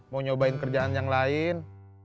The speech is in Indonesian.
mau nyobain kerjaan yang lain